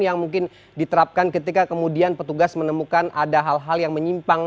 yang mungkin diterapkan ketika kemudian petugas menemukan ada hal hal yang menyimpang